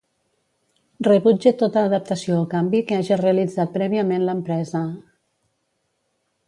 Rebutge tota adaptació o canvi que haja realitzat prèviament l'empresa.